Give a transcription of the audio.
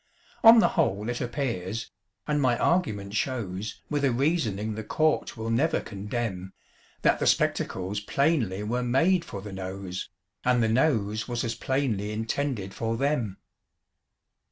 On the whole it appears, and my argument shows With a reasoning the court will never condemn, That the spectacles plainly were made for the Nose, And the Nose was as plainly intended for them.